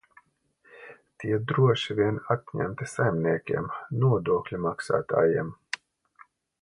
Tie droši vien atņemti saimniekiem, nodokļu maksātājiem.